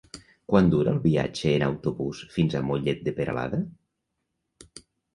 Quant dura el viatge en autobús fins a Mollet de Peralada?